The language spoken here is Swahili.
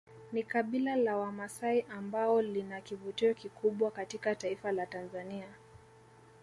Ni kabila la wamasai ambao lina kivutio kikubwa katika taifa la Tanzania